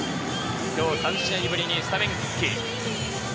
今日３試合ぶりにスタメン復帰。